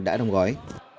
cả đồng gói